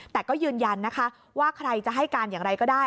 แต่ก็ยืนยันนะคะว่าใครจะให้การอย่างไรก็ได้